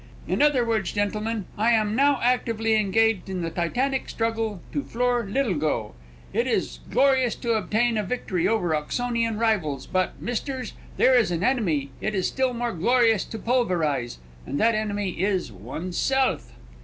"' In other words, gentlemen, I am now actively engaged in the Titanic struggle to floor Little go. It is glorious to obtain a victory over Oxonian rivals, but, misters, there is an enemy it is still more glorious to pulverize, and that enemy is one's self!"